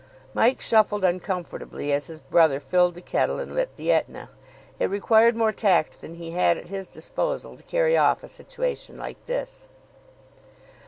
Mike shuffled uncomfortably as his brother filled the kettle and lit the Etna. It required more tact than he had at his disposal to carry off a situation like this.